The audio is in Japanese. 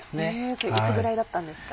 それいつぐらいだったんですか？